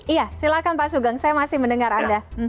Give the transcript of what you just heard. iya silahkan pak sugeng saya masih mendengar anda